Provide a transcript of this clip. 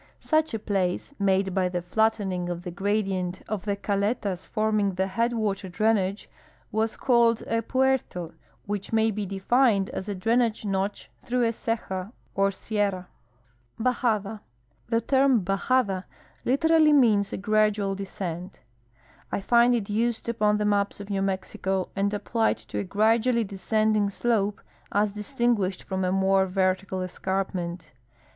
Such a place, made by the flattening of the gradient of the caletas forming the headwater drainage, was called a puerto, which may be defined as a drainage notch through a ceja or sierra. Bajada. — The term bajada literally means a gradual descent. I find it used upon the maps of New Mexico and applied to a gradually descend ing slope as distinguished from a more vertical escarpment.